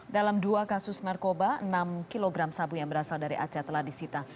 dalam dua kasus narkoba enam kg sabu yang berasal dari aceh telah disita